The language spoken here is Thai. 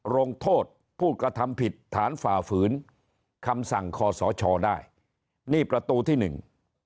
ลงโทษผู้กระทำผิดฐานฝ่าฝืนคำสั่งคอสชได้นี่ประตูที่หนึ่ง